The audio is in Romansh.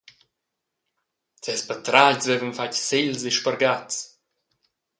Ses patratgs vevan fatg segls e sbargats.